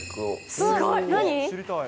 すごい、何？